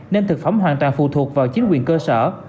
nên thực phẩm hoàn toàn phụ thuộc vào chính quyền cơ sở